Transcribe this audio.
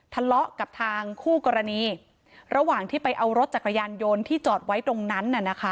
ทะเลาะกับทางคู่กรณีระหว่างที่ไปเอารถจักรยานยนต์ที่จอดไว้ตรงนั้นน่ะนะคะ